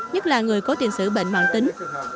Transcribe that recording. nhất là người có tiền sử bệnh mạng tính